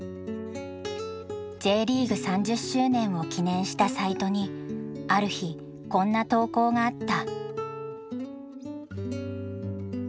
Ｊリーグ３０周年を記念したサイトにある日こんな投稿があった。